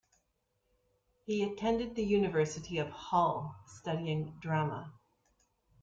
He attended the University of Hull, studying Drama.